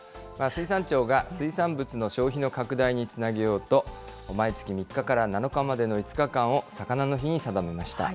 水産庁が水産物の消費の拡大につなげようと、毎月３日から７日までの５日間をさかなの日に定めました。